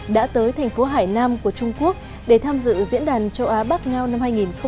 đã tới thành phố hải nam của trung quốc để tham dự diễn đàn châu á bắc ngao năm hai nghìn hai mươi